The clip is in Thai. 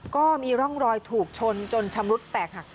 ก็มีร่องรอยถูกชนจนชำรุดแตกหัก